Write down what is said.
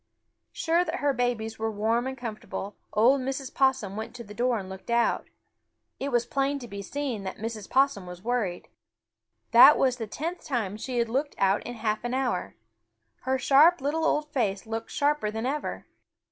Sure that her babies were warm and comfortable, old Mrs. Possum went to the door and looked out. It was plain to be seen that Mrs. Possum was worried. That was the tenth time she had looked out in half an hour. Her sharp little old face looked sharper than ever.